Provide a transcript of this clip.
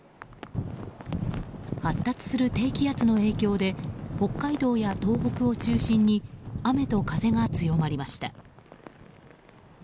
発達する低気圧の影響で北海道や東北を中心に雨と風が強まりました。